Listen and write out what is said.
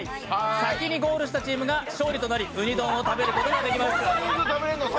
先にゴールしたチームが勝利となりうに丼を食べることができます。